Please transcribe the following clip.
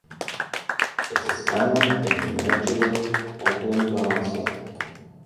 It is found in the medulla oblongata.